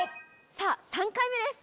さぁ３回目です。